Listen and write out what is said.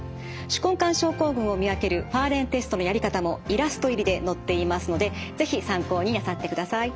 手根管症候群を見分けるファーレンテストのやり方もイラスト入りで載っていますので是非参考になさってください。